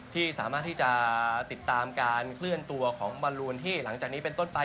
ที่สามารถที่จะติดตามการเคลื่อนตัวของบอลลูนที่หลังจากนี้เป็นต้นไป